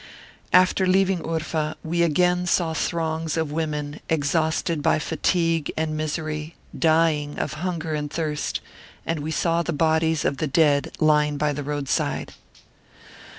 After leaving Urfa, we again saw throngs of women, exhausted by fatigue and misery, dying of hunger and thirst, and we saw the bodies of the dead lying by the roadside.